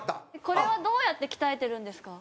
これはどうやって鍛えてるんですか？